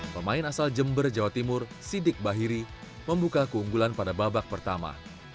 pemain asal jember jawa timur sidik bahiri membuka keunggulan pada babak pertama